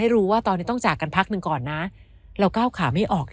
รู้ว่าตอนนี้ต้องจากกันพักหนึ่งก่อนนะเราก้าวขาไม่ออก